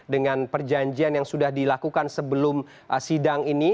dengan perjanjian yang sudah dilakukan sebelum sidang ini